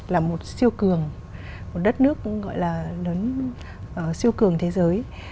là một siêu cường một đất nước cũng gọi là siêu cường thế giới